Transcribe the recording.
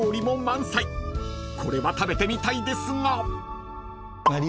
［これは食べてみたいですが］